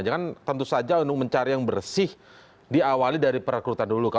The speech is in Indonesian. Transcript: jangan tentu saja untuk mencari yang bersih diawali dari perekrutan dulu